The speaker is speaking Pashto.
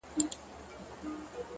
• شپه تاریکه ده نګاره چي رانه سې ,